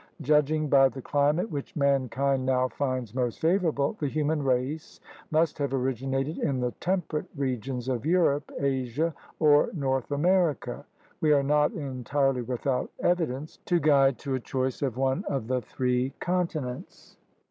Judging by the climate which mankind now finds most favorable, the human race must have originated in the temperate regions of Europe, Asia, or North America. We are not entirely without evidence to guide to a choice of one of the three continents.